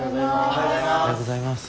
おはようございます。